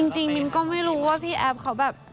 มิ้นก็ไม่รู้ว่าพี่แอฟเขาแบบ